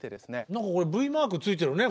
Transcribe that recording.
何かこれＶマーク付いてるね